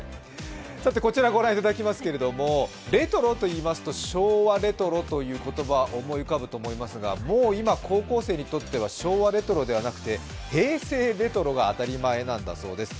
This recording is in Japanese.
こちら御覧いただきますけれどもレトロといいますと昭和レトロという言葉思い浮かぶと思いますがもう今、高校生にとっては昭和レトロではなくて平成レトロが当たり前なんだそうです。